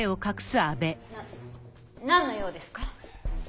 ななんの用ですか？